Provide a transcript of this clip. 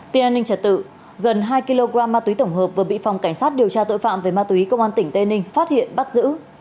tin an ninh trật tự gần hai kg ma túy tổng hợp vừa bị phòng cảnh sát điều tra tội phạm về ma túy công an tỉnh tây ninh phát hiện bắt giữ